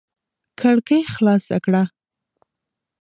کړکۍ خلاصه کړه.